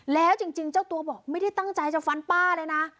แล้วจริงเจ้าตัวบอกไม่ได้ตั้งใจจะฟันป้าเลยนะ